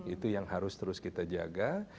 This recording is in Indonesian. itu yang harus terus kita jaga